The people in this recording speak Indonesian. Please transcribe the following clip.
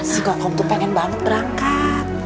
si kongkong tuh pengen banget berangkat